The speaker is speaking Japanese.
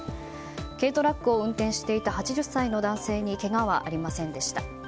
軽トラックを運転していた８０歳の男性にけがはありませんでした。